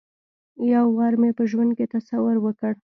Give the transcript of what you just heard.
یو وار مې په ژوند کې تصور وکړ.